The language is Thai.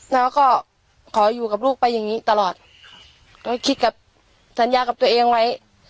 แล้วก็ขออยู่กับลูกไปอย่างงี้ตลอดก็คิดกับสัญญากับตัวเองไว้